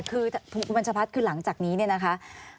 คุณบรรจภัฐคือหลังจากนี้เนี่ยนะคะ